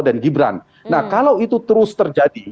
dan gibran nah kalau itu terus terjadi